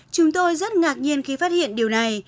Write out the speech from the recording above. chúng tôi rất ngạc nhiên khi phát hiện điều này